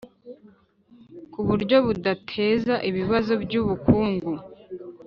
ku buryo budateza ibibazo by'ubukungu.